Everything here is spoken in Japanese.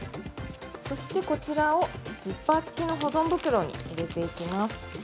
そして、こちらをジッパーつきの保存袋に入れていきます。